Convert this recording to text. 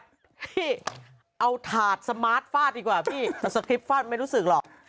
พี่เอาถาดสมาร์ทฟาดดีกว่าพี่แต่สคริปตฟาดไม่รู้สึกหรอก